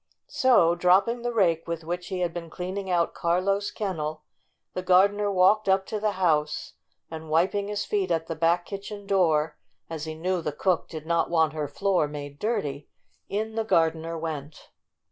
So, dropping the rake with which he had been cleaning out Carlo's kennel, the gar dener walked up to the house, and, wiping his feet at the back kitchen door, as he IN THE RAG BAG 75 knew the cook did not want her floor made dirty, in the gardener went.